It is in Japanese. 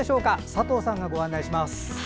佐藤さんがご案内します。